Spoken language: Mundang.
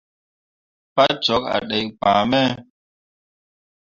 Pa cwakke a dai ŋaa me.